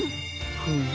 フム？